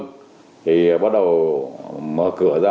thì bắt đầu mở cửa ra